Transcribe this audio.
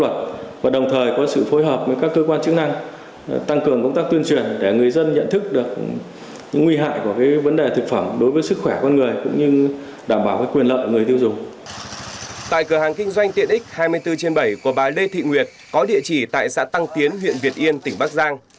tại cửa hàng kinh doanh tiện ích hai mươi bốn trên bảy của bà lê thị nguyệt có địa chỉ tại xã tăng tiến huyện việt yên tỉnh bắc giang